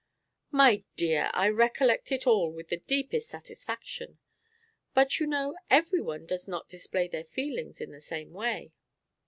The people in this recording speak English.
"My dear, I recollect it all with the deepest satisfaction; but, you know, everyone does not display their feelings in the same way.